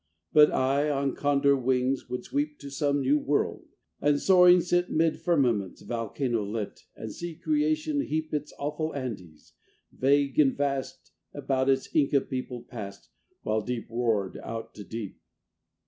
But I on condor wings would sweep To some new world, and, soaring, sit 'Mid firmaments volcano lit, And see creation heap Its awful Andes, vague and vast, About its Inca peopled past, While deep roared out to deep.